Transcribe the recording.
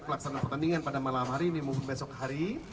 pelaksanaan pertandingan pada malam hari ini maupun besok hari